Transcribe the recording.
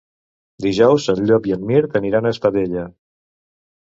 Dijous en Llop i en Mirt aniran a Espadella.